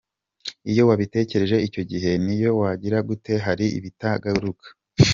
Iyo wabitakaje icyo gihe n’iyo wagira gute hari ibitagaruka.